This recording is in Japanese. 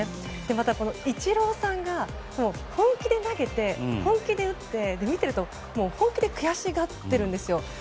また、イチローさんが本気で投げて本気で打って、見ていると本気で悔しがってるんですよ。